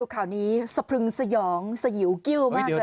ทุกข่าวนี้สะพึงสะหยองสะหิวกิ้วมากเลย